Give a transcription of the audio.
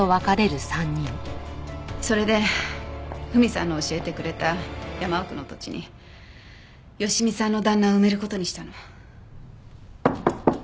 それで史さんの教えてくれた山奥の土地に佳美さんの旦那を埋める事にしたの。